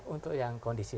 untuk yang kondisi